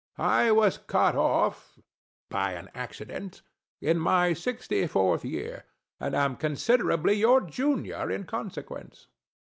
I was cut off (by an accident) in my 64th year, and am considerably your junior in consequence.